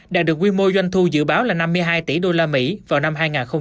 đạt được quy mô doanh thu dự báo là năm mươi hai tỷ usd vào năm hai nghìn ba mươi